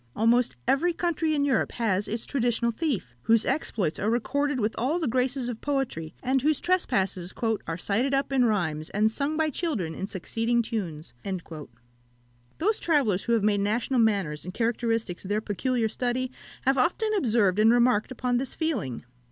Almost every country in Europe has its traditional thief, whose exploits are recorded with all the graces of poetry, and whose trespasses "Are cited up in rhymes, And sung by children in succeeding tunes." Shakspeare's Rape of Lucretia. Those travellers who have made national manners and characteristics their peculiar study, have often observed and remarked upon this feeling.